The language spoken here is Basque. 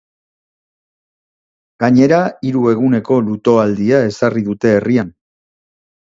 Gainera, hiru eguneko luto-aldia ezarri dute herrian.